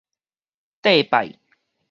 綴拜